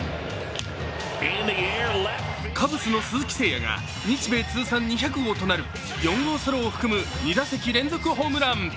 カブスの鈴木誠也が日米通算２００号となる４号ソロを含む２打席連続ホームラン。